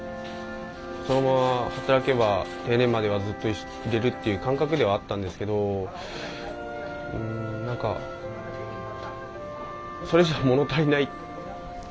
そのまま働けば定年まではずっといれるっていう感覚ではあったんですけど何かそれじゃ物足りないっていうことですよね。